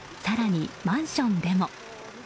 更にマンションでも。